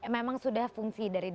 memang sudah fungsi dari